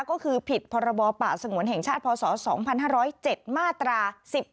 ก็คือผิดพรบป่าสงวนแห่งชาติพศ๒๕๐๗มาตรา๑๔